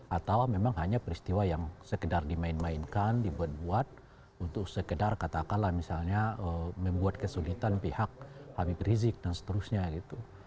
atau memang hanya peristiwa yang sekedar dimain mainkan dibuat buat untuk sekedar katakanlah misalnya membuat kesulitan pihak habib rizik dan seterusnya gitu